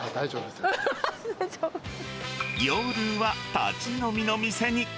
出ち夜は立ち飲みの店に。